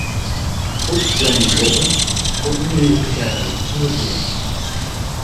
Phút gần gũi cũng như giờ chia biệt